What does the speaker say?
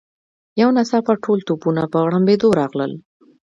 یو ناڅاپه ټول توپونه په غړمبېدو راغلل.